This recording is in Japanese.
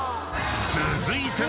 ［続いて］